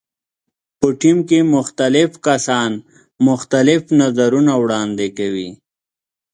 په ټیم کې مختلف کسان مختلف نظرونه وړاندې کوي.